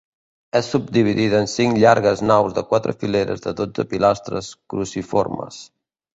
És subdividida en cinc llargues naus de quatre fileres de dotze pilastres cruciformes.